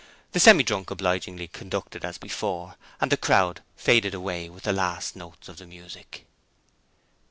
The Semi drunk obligingly conducted as before, and the crowd faded away with the last notes of the music.